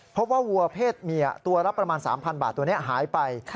วัวเพศเมียตัวละประมาณ๓๐๐บาทตัวนี้หายไป